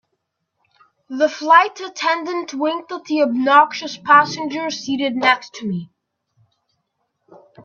The flight attendant winked at the obnoxious passenger seated next to me.